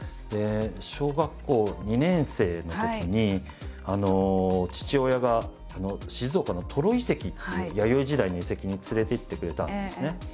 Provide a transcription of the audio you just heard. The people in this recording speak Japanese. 小学校２年生のときに父親が静岡の登呂遺跡っていう弥生時代の遺跡に連れて行ってくれたんですね。